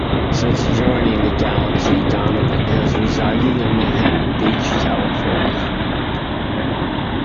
Since joining the Galaxy Donovan has resided in Manhattan Beach, California.